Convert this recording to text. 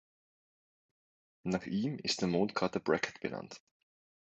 Nach ihm ist der Mondkrater Brackett benannt.